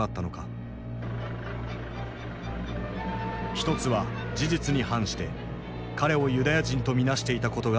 一つは事実に反して彼をユダヤ人と見なしていたことが挙げられる。